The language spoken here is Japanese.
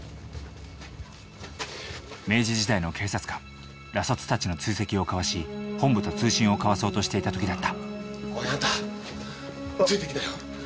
明治時代の警察官邏卒たちの追跡をかわし本部と通信を交わそうとしていた時だったおいあんたついてきなよ。